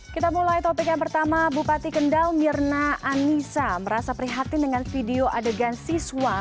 kita mulai topik yang pertama bupati kendal mirna anissa merasa prihatin dengan video adegan siswa